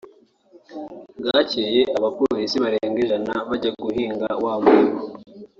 bwacyeye abapolisi barenga ijana bajya guhinga wa murima